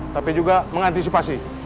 tapi juga mengantisipasi